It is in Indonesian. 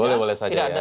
boleh boleh saja ya